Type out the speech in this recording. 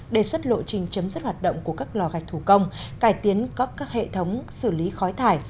đề xuất lộ trình chấm dứt hoạt động của các lò gạch thủ công cải tiến các hệ thống xử lý khói thải